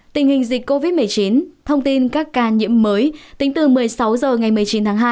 tình hình dịch covid một mươi chín thông tin các ca nhiễm mới tính từ một mươi sáu h ngày một mươi chín tháng hai